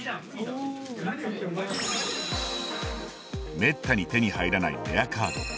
滅多に手に入らないレアカード。